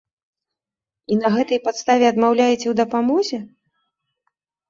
І на гэтай падставе адмаўляеце ў дапамозе?